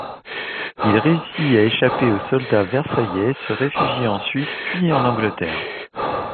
Il réussit à échapper aux soldats versaillais, se réfugie en Suisse puis en Angleterre.